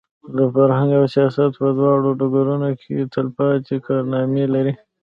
د فرهنګ او سیاست په دواړو ډګرونو کې تلپاتې کارنامې لري.